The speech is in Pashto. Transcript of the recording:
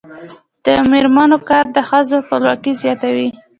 د میرمنو کار د ښځو خپلواکي زیاتوي.